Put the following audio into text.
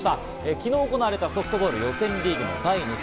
昨日行われたソフトボールの予選リーグ第２戦。